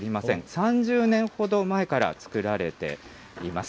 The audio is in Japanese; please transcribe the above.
３０年ほど前から作られています。